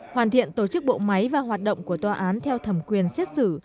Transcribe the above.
hoàn thiện tổ chức bộ máy và hoạt động của tòa án theo thẩm quyền xét xử